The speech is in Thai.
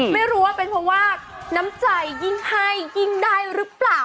ไม่รู้ว่าเป็นเพราะว่าน้ำใจยิ่งให้ยิ่งได้หรือเปล่า